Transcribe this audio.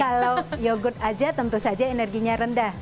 kalau yogurt aja tentu saja energinya rendah